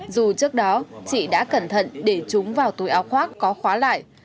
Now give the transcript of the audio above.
dù trước đó chị đã cẩn thận để chúng vào túi áo khoác có khóa lại